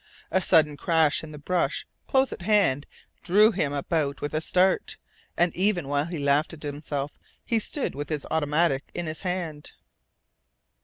A sudden crash in the brush close at hand drew him about with a start, and even while he laughed at himself he stood with his automatic in his hand.